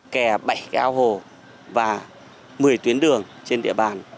kè bảy ao hồ và một mươi tuyến đường trên địa bàn